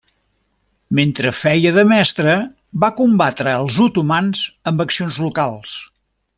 Mentre feia de mestre, va combatre els otomans amb accions locals.